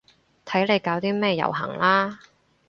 睇你搞啲咩遊行啦